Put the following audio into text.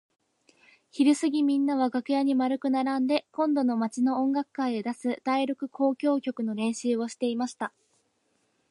ひるすぎみんなは楽屋に円くならんで今度の町の音楽会へ出す第六交響曲の練習をしていました。